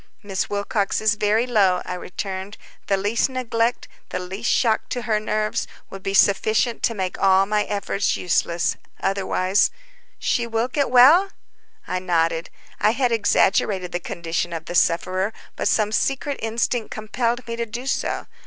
"Miss Wilcox is very low," I returned. "The least neglect, the least shock to her nerves, would be sufficient to make all my efforts useless. Otherwise—" "She will get well?" I nodded. I had exaggerated the condition of the sufferer, but some secret instinct compelled me to do so.